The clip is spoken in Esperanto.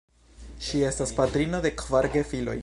Ŝi estas patrino de kvar gefiloj.